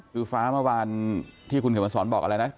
คือฟ้าเมื่อวานที่คุณเขียนมาสอนบอกอะไรนะ